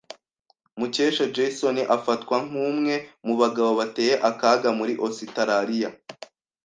Mukesha Jason afatwa nkumwe mubagabo bateye akaga muri Ositaraliya.